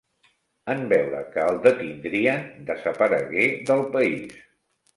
En veure que el detindrien, desaparegué del país.